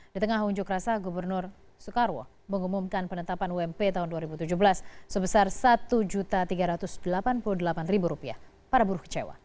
di tengah unjuk rasa gubernur soekarwo mengumumkan penetapan ump tahun dua ribu tujuh belas sebesar rp satu tiga ratus delapan puluh delapan para buruh kecewa